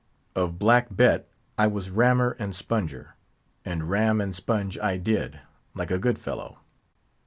Of Black Bet I was rammer and sponger; and ram and sponge I did, like a good fellow.